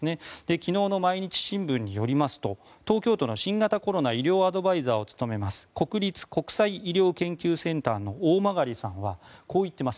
昨日の毎日新聞によりますと東京都の新型コロナ医療アドバイザーを務めます国立国際医療研究センターの大曲さんはこう言っています。